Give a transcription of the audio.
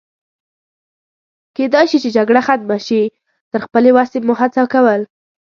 کېدای شي چې جګړه ختمه شي، تر خپلې وسې مو هڅه کول.